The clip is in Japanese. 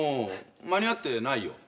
間に合ってないよ